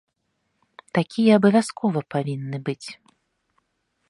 Такія абавязкова павінны быць.